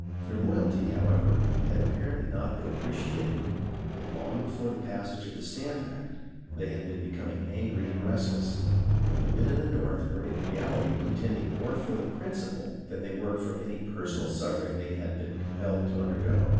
Their loyalty, however, had apparently not been appreciated, and long before the passage of the Stamp Act they had been becoming angry and rest less. The men in the North were in reality contend ing more for the principle than they were from any per sonal suffering they had been compelled to undergo.